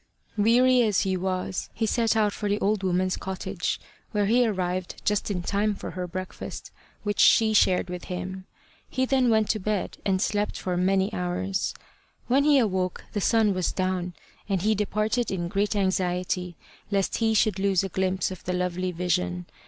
Weary as he was, he set out for the old woman's cottage, where he arrived just in time for her breakfast, which she shared with him. He then went to bed, and slept for many hours. When he awoke the sun was down, and he departed in great anxiety lest he should lose a glimpse of the lovely vision.